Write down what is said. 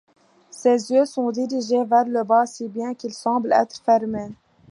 Ses yeux sont dirigés vers le bas, si bien qu'ils semblent être fermés.